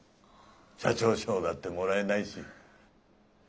社長賞だってもらえないし。